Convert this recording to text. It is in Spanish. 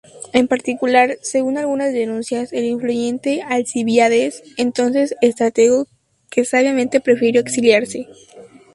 En particular, según algunas denuncias, el influyente Alcibíades, entonces estratego, que sabiamente prefirió exiliarse.